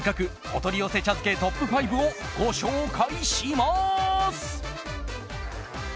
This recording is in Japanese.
お取り寄せ茶漬けトップ５をご紹介します！